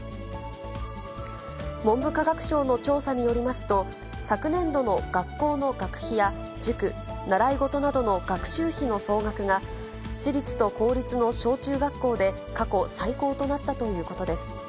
文部科学省の調査によりますと、昨年度の学校の学費や塾、習い事などの学習費の総額が、私立と公立の小中学校で過去最高となったということです。